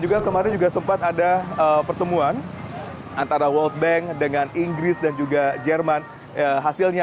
juga kemarin juga sempat ada pertemuan antara world bank dengan inggris dan juga jerman hasilnya